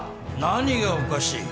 何がおかしい？